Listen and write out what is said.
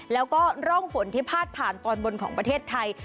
แล้วก็ร่องฝนที่พาดผ่านตอนบนของประเทศไทย